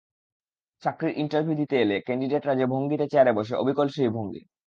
চাকরির ইন্টারভ্যু দিতে এলে ক্যান্ডিডেটরা যে-ভঙ্গিতে চেয়াতে বসে অবিকল সেই ভঙ্গি।